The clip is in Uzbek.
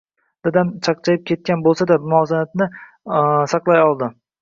Dadam chayqalib ketgan boʻlsa-da, muvozanatni saqlab qoldi.